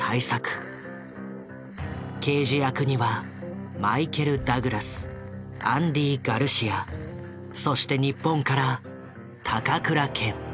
刑事役にはマイケル・ダグラスアンディ・ガルシアそして日本から高倉健。